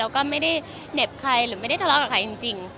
แล้วก็ไม่ได้เหน็บใครหรือไม่ได้ทะเลาะกับใครจริง